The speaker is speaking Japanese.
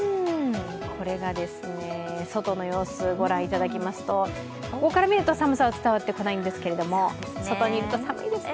これが外の様子、ご覧いただきますと、ここからみると寒さ、伝わってこないんですけど外にいると寒いですね。